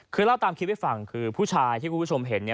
คือเล่าตามคลิปให้ฟังคือผู้ชายที่คุณผู้ชมเห็น